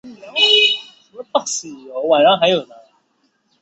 滨海伯内尔维尔人口变化图示